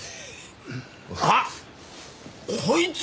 あっ！こいつ！